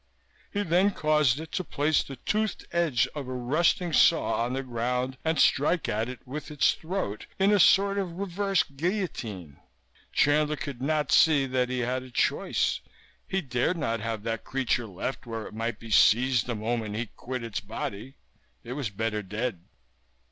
He then caused it to place the toothed edge of a rusting saw on the ground and strike at it with its throat in a sort of reverse guillotine. Chandler could not see that he had a choice; he dared not have that creature left where it might be seized the moment he quit its body. It was better dead.